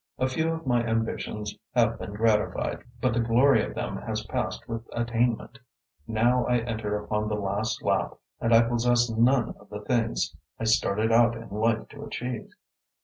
A few of my ambitions have been gratified, but the glory of them has passed with attainment. Now I enter upon the last lap and I possess none of the things I started out in life to achieve."